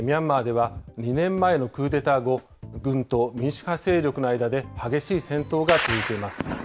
ミャンマーでは、２年前のクーデター後、軍と民主派勢力の間で激しい戦闘が続いています。